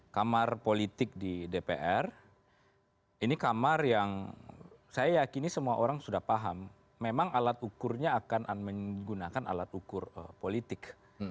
kamar politik di dpr ini kamar yang saya yakini semua orang sudah paham memang alat ukurnya akan menggunakan alat ukur politik